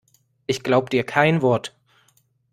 Ich glaub dir kein Wort!